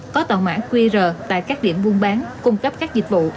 có tạo mã qr tại các điểm buôn bán cung cấp các dịch vụ